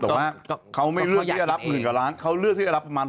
แต่ว่าเค้าไม่เลือกที่จะรับหมื่นวันกว่าล้านเค้าเลือกที่จะรับ๖๗พันบาท